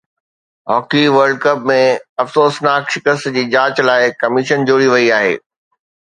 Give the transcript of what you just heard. hockey world cup ۾ افسوسناڪ شڪست جي جاچ لاءِ ڪميشن جوڙي وئي آهي